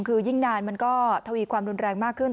คือยิ่งนานมันก็ทวีความรุนแรงมากขึ้น